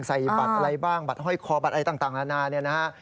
ใส่บัตรอะไรบ้างบัตรห้อยคอบัตรอะไรต่างละนะ